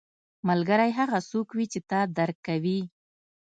ملګری هغه څوک وي چې تا درک کوي